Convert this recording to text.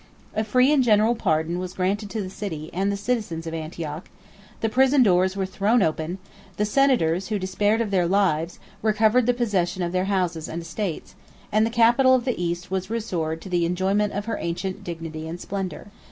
A free and general pardon was granted to the city and citizens of Antioch; the prison doors were thrown open; the senators, who despaired of their lives, recovered the possession of their houses and estates; and the capital of the East was restored to the enjoyment of her ancient dignity and splendor.